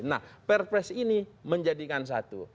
nah perpres ini menjadikan satu